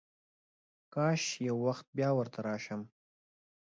کاش یو وخت بیا ورته راشم.